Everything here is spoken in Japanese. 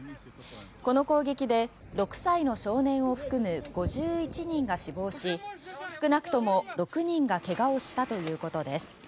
この攻撃で６歳の少年を含む５１人が死亡し少なくとも６人が怪我をしたということです。